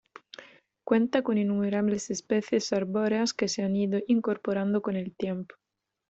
Cuenta con innumerables especies arbóreas que se han ido incorporando con el tiempo.